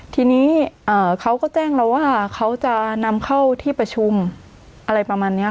ทีนี้เขาก็แจ้งเราว่าเขาจะนำเข้าที่ประชุมอะไรประมาณนี้